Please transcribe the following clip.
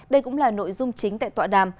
đây cũng là nội dung chính tại tọa đàm